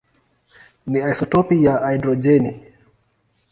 ni isotopi ya hidrojeni.